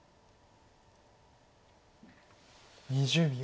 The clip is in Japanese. ２０秒。